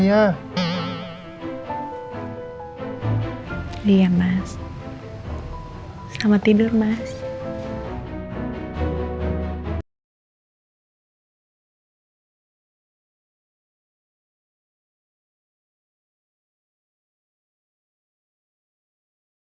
aku mau ikut sama dia